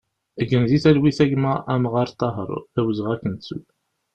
Gen di talwit a gma Amɣar Tahar, d awezɣi ad k-nettu!